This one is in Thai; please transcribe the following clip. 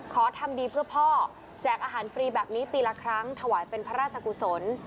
ขอทำดีเพื่อพ่อแจกอาหารฟรีแบบนี้ปีละครั้งถวายเป็นพระราชกุศล